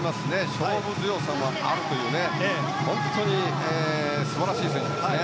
勝負強さもあるという本当に素晴らしい選手ですね。